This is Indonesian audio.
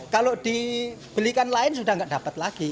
kalau dibelikan lain sudah tidak dapat lagi